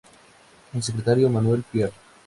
El secretario: Manuel Piar.